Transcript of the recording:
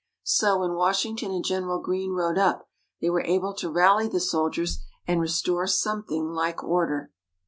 So, when Washington and General Greene rode up, they were able to rally the soldiers and restore something like order.